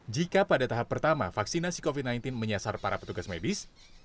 jika pada tahap pertama vaksinasi covid sembilan belas menyasar para petugas medis